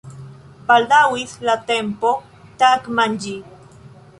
Baldaŭis la tempo tagmanĝi.